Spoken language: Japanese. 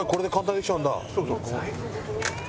そうそう。